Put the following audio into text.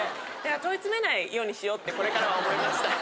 問い詰めないようにしようってこれからは思いました。